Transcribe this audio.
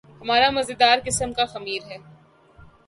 ہمارا مزیدار قسم کا خمیر ہے۔